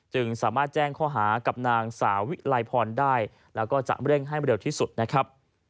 จึงสามารถแจ้งข้อหากับนางสาวิไลพรได้แล้วก็จะเร่งให้เร็วที่สุดนะครับ